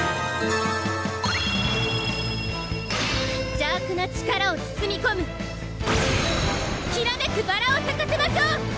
邪悪な力を包み込むきらめくバラを咲かせましょう！